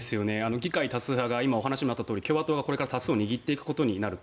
議会多数派が今、お話にもあったとおりこれから共和党が多数を握っていくことになると。